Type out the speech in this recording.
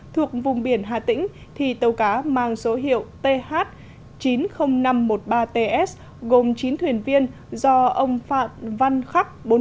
thuộc vùng biển hà tĩnh tàu cá mang số hiệu th chín mươi nghìn năm trăm một mươi ba ts gồm chín thuyền viên do ông phạm văn khắc